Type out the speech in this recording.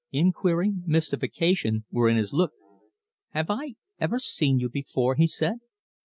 Inquiry, mystification, were in his look. "Have I ever seen you before?" he said.